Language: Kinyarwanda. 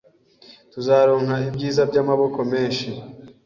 Tuzaronka ibyiza by’amoko menshi